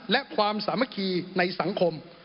และความสามัคคีในสังคม